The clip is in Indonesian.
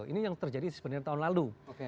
ini yang terjadi sebenarnya tahun lalu